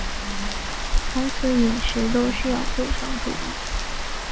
从此饮食都需要非常注意